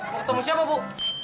mau ketemu siapa bu